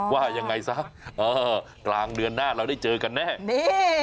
ว่ายังไงซะเออกลางเดือนหน้าเราได้เจอกันแน่นี่